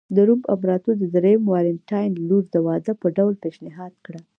د روم امپراتور درېیم والنټیناین لور د واده په ډول پېشنهاد کړه